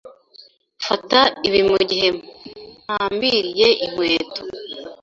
Fata ibi mugihe mpambiriye inkweto.